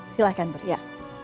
silahkan beri ya